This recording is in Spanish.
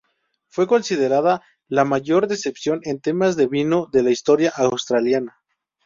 Fue considerada la mayor decepción en temas de vino de la historia australiana.